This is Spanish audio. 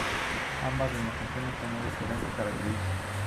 Ambas demostraron tener excelentes características.